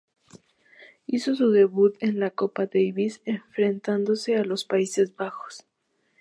Hizo su debut en la Copa Davis enfrentándose a los Países Bajos.